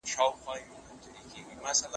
ښوونځی ماشومانو ته د عقلي فکر تمرین ورکوي.